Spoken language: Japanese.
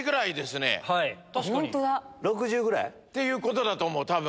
１６０ぐらい？っていうことだと思う多分。